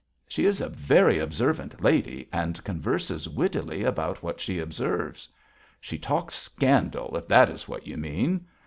She is a very observant lady, and converses wittily about what she observes.' 'She talks scandal, if that is what you mean.'